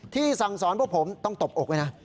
สั่งสอนพวกผมต้องตบอกไว้นะ